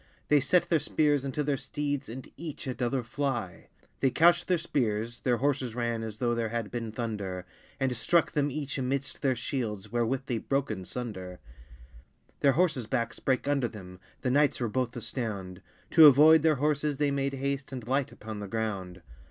They sett their speares unto their steeds, And eache att other flie. They coucht theire speares (their horses ran, As though there had beene thunder), And strucke them each immidst their shields, Wherewith they broke in sunder. Their horsses backes brake under them, The knights were both astound: To avoyd their horsses they made haste And light upon the ground.